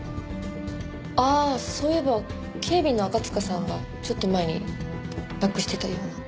ああそういえば警備の赤塚さんがちょっと前になくしてたような。